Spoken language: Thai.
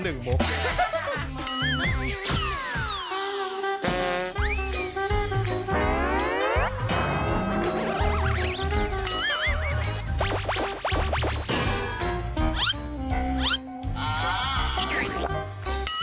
มองนานนาน